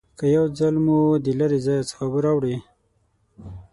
که یو ځل مو د لرې ځای څخه اوبه راوړي